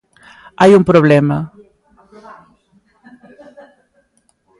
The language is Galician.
Hai un problema.